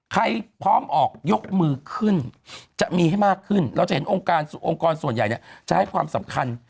พร้อมออกยกมือขึ้นจะมีให้มากขึ้นเราจะเห็นองค์กรส่วนใหญ่เนี่ยจะให้ความสำคัญ